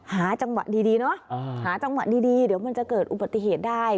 หาจังหวะดีเนอะหาจังหวะดีเดี๋ยวมันจะเกิดอุบัติเหตุได้